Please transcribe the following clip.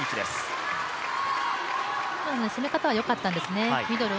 攻め方はよかったんですね。